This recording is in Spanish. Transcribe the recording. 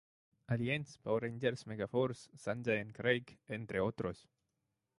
Aliens", "Power Rangers Megaforce", "Sanjay and Craig" entre otros.